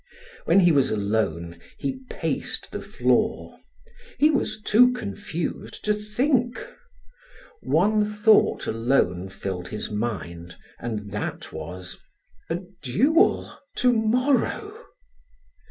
When he was alone, he paced the floor; he was too confused to think. One thought alone filled his mind and that was: a duel to morrow!